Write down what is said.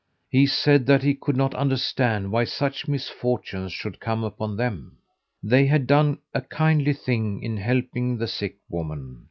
He said that he could not understand why such misfortunes should come upon them. They had done a kindly thing in helping the sick woman.